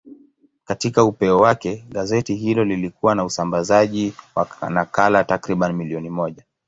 Katika upeo wake, gazeti hilo lilikuwa na usambazaji wa nakala takriban milioni moja.